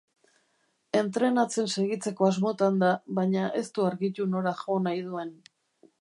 Entrenatzen segitzeko asmotan da, baina ez du argitu nora jo nahi duen.